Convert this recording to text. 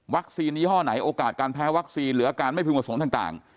วัคซีนยี่ห้อไหนโอกาสการแพ้วัคซีนเหลือการไม่ผิวผสมต่าง